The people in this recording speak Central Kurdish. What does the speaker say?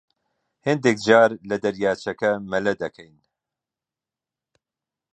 هەندێک جار لە دەریاچەکە مەلە دەکەین.